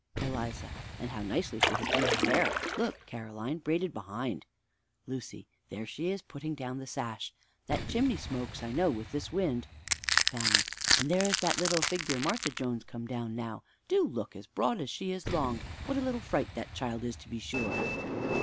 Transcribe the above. Eliza. And how nicely she has done her hair! Look, Caroline braided behind. Lucy. There, she is putting down the sash. That chimney smokes, I know, with this wind. Fanny. And there is that little figure, Martha Jones, come down now. Do look as broad as she is long! What a little fright that child is, to be sure!